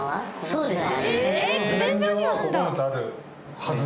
そうです